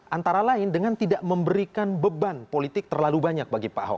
antara lain dengan tidak memberikan beban politik terlalu banyak bagi pak ahok